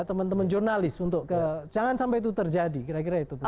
teman teman jurnalis untuk jangan sampai itu terjadi kira kira itu